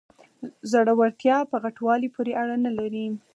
زړورتیا په غټوالي پورې اړه نلري.